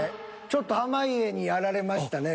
ちょっと濱家にやられましたね